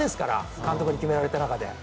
監督に決められた中で。